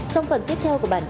trong phần tiếp theo của bản tin